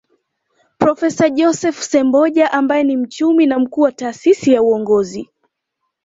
Profesa Joseph Semboja ambaye ni mchumi na mkuu wa Taasisi ya Uongozi